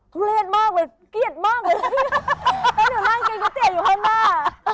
ทุเรียนมากเลยเกลียดมากเลยหนูนั่งกินก๋วยเตี๋ยวอยู่ข้างหน้า